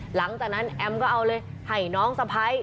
หลังจากนั้นแอมก็เอาเลยให้น้องสะพ้าย